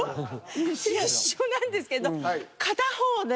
一緒なんですけど片方で。